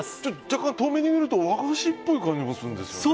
若干、遠目に見ると和菓子っぽい感じもするんですが。